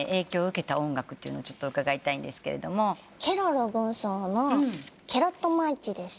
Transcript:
『ケロロ軍曹』の『ケロッ！とマーチ』です。